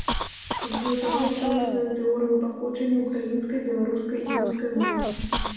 Абгрунтаваў цэласную тэорыю паходжання ўкраінскай, беларускай і рускай моў.